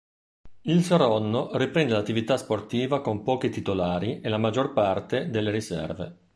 Il Saronno riprende l'attività sportiva con pochi titolari e la maggior parte delle riserve.